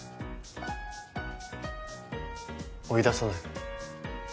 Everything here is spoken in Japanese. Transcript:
追い出さないの？